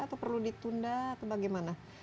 atau perlu ditunda atau bagaimana